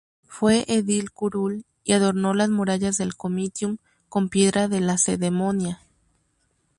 Fue edil curul y adornó las murallas del "Comitium" con piedra de Lacedemonia.